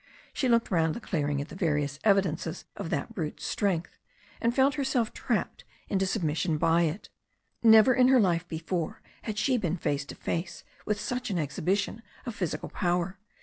She looked round the clearing at the various evidences of that brute strength, and felt her self trapped into submission by it. Never in her life before had she been face to face with such an exhibition of physical power.